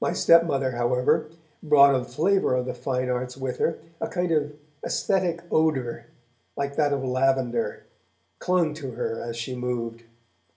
My stepmother, however, brought a flavour of the fine arts with her; a kind of aesthetic odour, like that of lavender, clung to her as she moved.